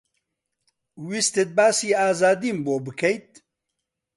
ویستت باسی ئازادیم بۆ بکەیت؟